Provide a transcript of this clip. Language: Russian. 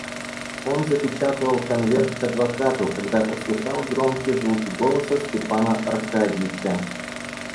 Он запечатывал конверт к адвокату, когда услыхал громкие звуки голоса Степана Аркадьича.